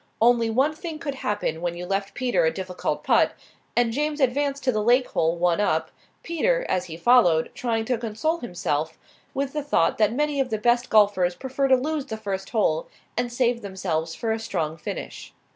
Only one thing could happen when you left Peter a difficult putt; and James advanced to the lake hole one up, Peter, as he followed, trying to console himself with the thought that many of the best golfers prefer to lose the first hole and save themselves for a strong finish.